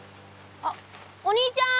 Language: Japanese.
あっお兄ちゃん！